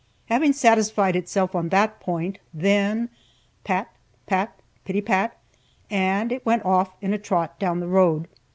Having satisfied itself on that point, then pat, pat, pitty pat, and it went off in a trot down the road.